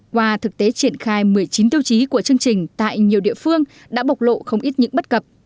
qua thực tế triển khai một mươi chín tiêu chí của chương trình tại nhiều địa phương đã bộc lộ không ít những bất cập